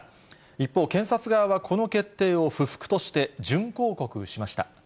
一方、検察側はこの決定を不服として、準抗告しました。